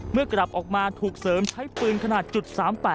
กลับออกมาถูกเสริมใช้ปืนขนาด๓๘